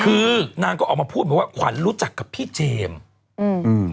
คือนางก็ออกมาพูดว่าขวัญรู้จักกับพี่เจมส์